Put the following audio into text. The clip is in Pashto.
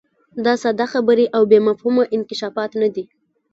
دا ساده خبرې او بې مفهومه انکشافات نه دي.